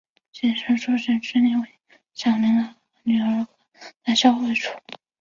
锦州主城区位于小凌河和女儿河的交汇处。